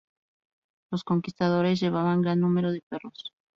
Los conquistadores llevaban gran número de perros.